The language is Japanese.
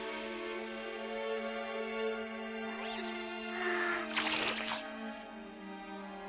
はあ。